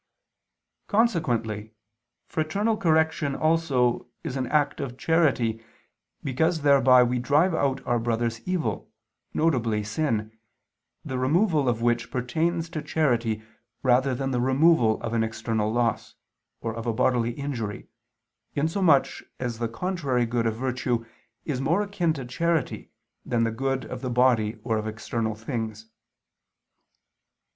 Consequently fraternal correction also is an act of charity, because thereby we drive out our brother's evil, viz. sin, the removal of which pertains to charity rather than the removal of an external loss, or of a bodily injury, in so much as the contrary good of virtue is more akin to charity than the good of the body or of external things.